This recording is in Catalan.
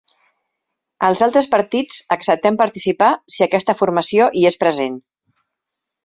Els altres partits acceptem participar si aquesta formació hi és present.